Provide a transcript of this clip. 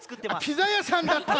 ピザやさんだった！